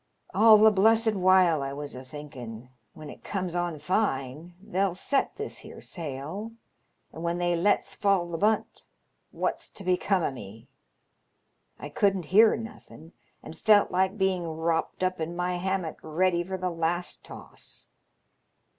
All the blessed while I was a thinking, when it comes on fine, they'll set this here sail, and when they let's fall the bunt what's to become o' me ? I couldn't hear nothen, and felt Uke being wropped np in my hammock ready for the last toss.